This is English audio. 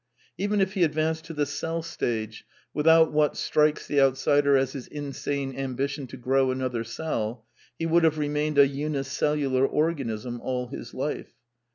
Even jf he advanced to the cell stage, without what strikes the outsider as his insane ambition to grow another cell, he would have remained a unicellular organism all his life.